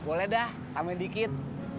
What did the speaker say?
boleh dah tambahin dikit